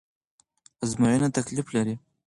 ازموينه تکليف لري